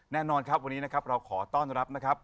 แน่นอนครับวันนี้นะครับเราขอต้อนรับนะครับ